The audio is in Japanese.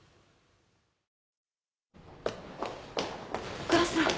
お母さん。